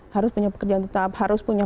harus punya pekerjaan tetap harus punya